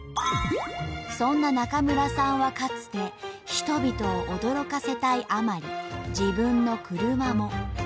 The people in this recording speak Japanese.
そんな中村さんはかつて人々を驚かせたいあまり自分の車も。